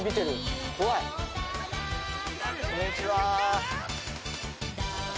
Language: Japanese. こんにちは。